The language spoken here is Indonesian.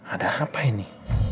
ada apa ini